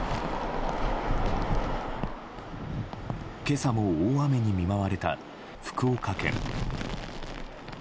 今朝も大雨に見舞われた福岡県。